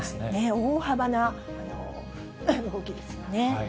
大幅な動きですよね。